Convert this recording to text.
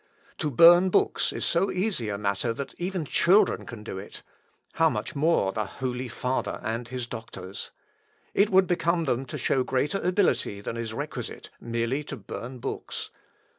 To burn books is so easy a matter that even children can do it; how much more the Holy Father and his doctors. It would become them to show greater ability than is requisite merely to burn books....